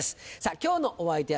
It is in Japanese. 今日のお相手はですね